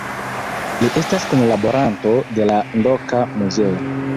Li estas kunlaboranto de la loka muzeo.